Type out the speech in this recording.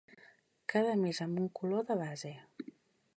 Cada mes amb un color de base.